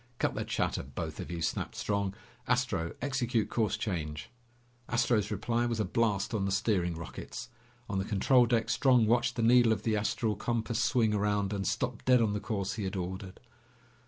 "Cut the chatter, both of you!" snapped Strong. "Astro, execute course change!" Astro's reply was a blast on the steering rockets. On the control deck, Strong watched the needle of the astral compass swing around and stop dead on the course he had ordered.